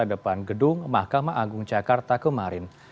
depan gedung mahkamah agung jakarta kemarin